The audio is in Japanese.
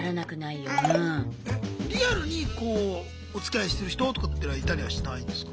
リアルにおつきあいしてる人とかってのはいたりはしないんですか？